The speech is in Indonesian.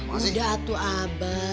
udah tuh abah